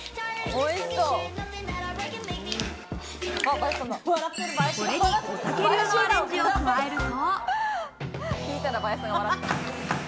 これに、おたけ流のアレンジを加えると。